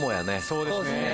そうですね。